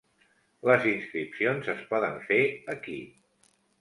Les inscripcions es poden fer aquí.